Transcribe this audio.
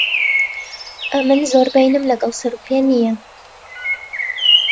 ئەمن زۆر بەینم لەگەڵ سەر و پێ نییە.